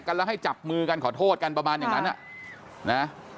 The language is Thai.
แยกกันแล้วให้จับมือกันขอโทษกันประมาณอย่างนั้น